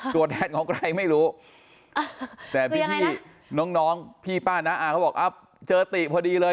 ตัวแทนของใครไม่รู้แต่พี่น้องพี่ป้าน้าอาเขาบอกเจอติพอดีเลย